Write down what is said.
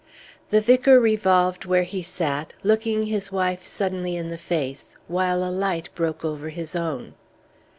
The vicar revolved where he sat, looking his wife suddenly in the face, while a light broke over his own.